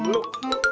peluk gua bang